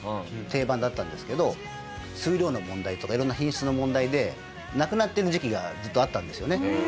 定番だったんですけど数量の問題とか色んな品質の問題でなくなってる時期がずっとあったんですよね。